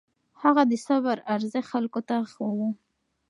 هغه د صبر ارزښت خلکو ته ښووه.